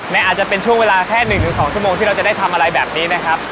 อาจจะเป็นช่วงเวลาแค่๑๒ชั่วโมงที่เราจะได้ทำอะไรแบบนี้นะครับ